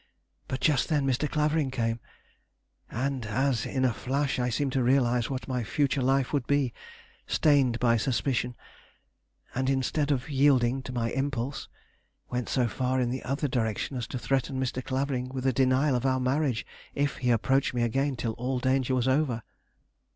But just then Mr. Clavering came; and as in a flash I seemed to realize what my future life would be, stained by suspicion, and, instead of yielding to my impulse, went so far in the other direction as to threaten Mr. Clavering with a denial of our marriage if he approached me again till all danger was over.